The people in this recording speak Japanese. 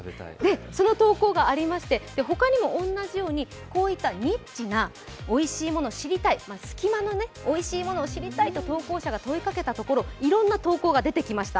その投稿がありまして、他にも同じようにこういったニッチなおいしいもの知りたい、隙間のおいしいものを知りたいと投稿者が問いかけたところいろんな投稿が出てきました。